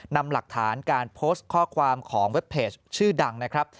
นำหลักฐานการโพสต์ข้อความของเว็บเพจชื่อดังนะครับ